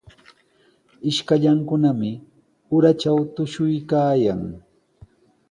Ishkallankunami uratraw tushuykaayan.